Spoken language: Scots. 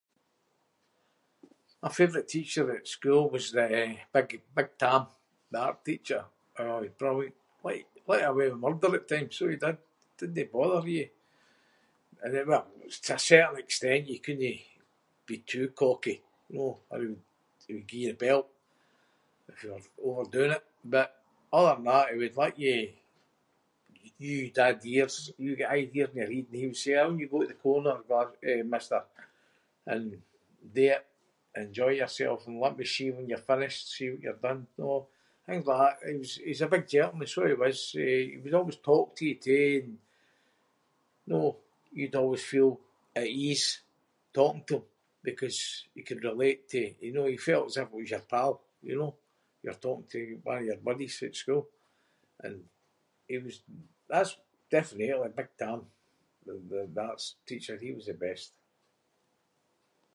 My favourite teacher at school was, eh, big- big Tam the art teacher. Aw, he was brilliant. Let- let you away with murder at times, so he did. Didnae bother you and then- well, to a certain extent. You couldnae be too cocky, you know, or he would- he’d gie you the belt if you were overdoing it but other than that he would let you- you had ideas- you got an idea in your heid and he would say “aye, on you go to the corner, eh, mister, and do it and enjoy yourself and let me see when you’re finished- see what you’ve done” . Know? Things like that. He was a big gentleman, so he was. He would always talk to you too and, know, you’d always feel at ease talking to him because you could relate to- you know, it felt as if he was your pal, you know? You were talking to one of your buddies at school. And he was- that’s definitely big Tam the- the arts teacher. He was the best.